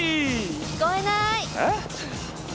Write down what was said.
聞こえない。